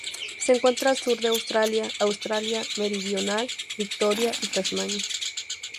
Se encuentra al sur de Australia: Australia Meridional, Victoria y Tasmania.